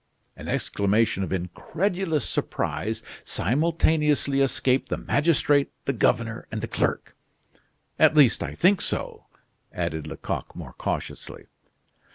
An exclamation of incredulous surprise simultaneously escaped the magistrate, the governor, and the clerk. "At least I think so," added Lecoq, more cautiously.